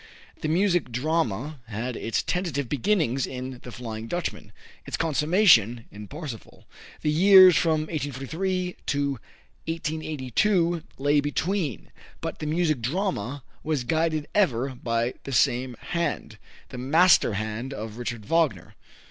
The music drama had its tentative beginnings in "The Flying Dutchman," its consummation in "Parsifal." The years from 1843 to 1882 lay between, but the music drama was guided ever by the same hand, the master hand of Richard Wagner.